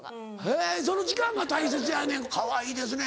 へぇその時間が大切やねん「かわいいですね」